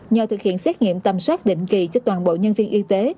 nhờ thực hiện xét nghiệm tầm soát định kỳ cho toàn bộ nhân viên y tế